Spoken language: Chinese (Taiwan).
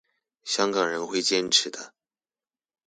香港人會堅持的